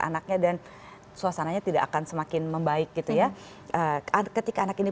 anaknya dan suasananya tidak akan semakin membaik gitu ya ketika anak ini